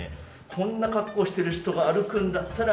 こんな格好してる人が歩くんだったら。